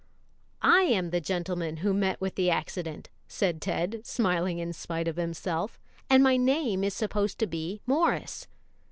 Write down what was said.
"I am the gentleman who met with the accident," said Ted, smiling in spite of himself, "and my name is supposed to be Morris."